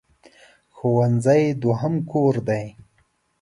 ښوونځی دوهم کور دی.